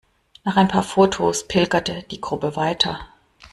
Nach ein paar Fotos pilgerte die Gruppe weiter.